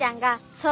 そう。